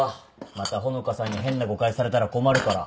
また穂香さんに変な誤解されたら困るから。